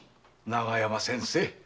永山先生。